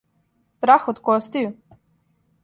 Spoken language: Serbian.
Прах од костију?